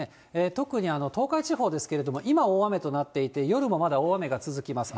特に東海地方ですけれども、今、大雨となっていて、夜もまだ大雨が続きます。